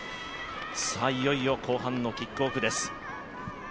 いよいよ後半のキックオフです。